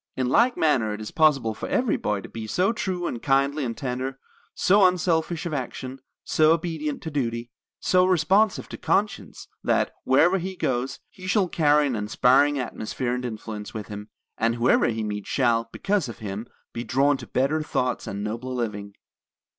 In like manner it is possible for every boy to be so true and kindly and tender, so unselfish of action, so obedient to duty, so responsive to conscience, that, wherever he goes, he shall carry an inspiring atmosphere and influence with him; and whoever he meets shall, because of him, be drawn to better thoughts and nobler living.